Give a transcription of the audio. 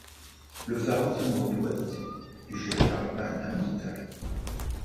Le phare, entièrement automatisé, est géré par Marina Militare.